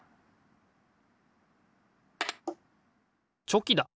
チョキだ！